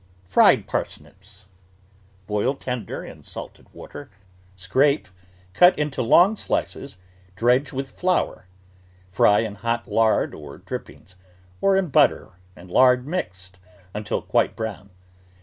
FRIED PARSNIPS Boil tender in salted water ; scrape, cut into long slices, dredge with flour; fry in hot lard or drip pings, or in butter and lard mixed, until quite brown.